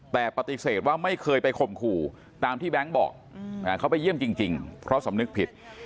แต่ปฏิเสธว่าไม่เคยไปข่มขู่ตามที่แบงค์บอกเขาไปเยี่ยมจริงเพราะสำนึกผิด